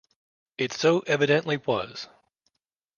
It so evidently was.